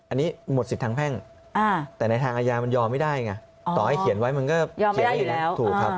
อันนี้หมดสิทธิทางแพ่งแต่ในทางอายามันยอมไม่ได้ไงต่อไอ้เขียนไว้มันก็ยอมไม่ได้อยู่แล้ว